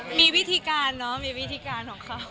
มีวิธีการเนอะมีวิธีการของเขา